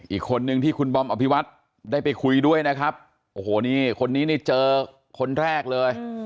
อีกคนนึงที่คุณบอมอภิวัตได้ไปคุยด้วยนะครับโอ้โหนี่คนนี้นี่เจอคนแรกเลย